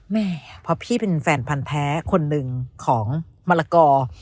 แม่เพราะพี่เป็นแฟนพันธ์แท้คนหนึ่งของมะละกอ